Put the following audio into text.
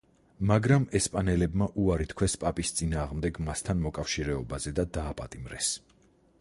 მაგრამ ესპანელებმა უარი თქვეს პაპის წინააღმდეგ მასთან მოკავშირეობაზე და დააპატიმრეს.